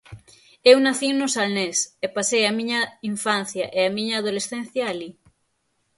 Eu nacín no Salnés e pasei a miña infancia e a miña adolescencia alí.